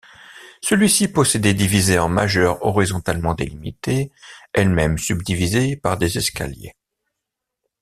Celui-ci possédait divisé en majeures horizontalement délimitées, elles-mêmes subdivisées par des escaliers.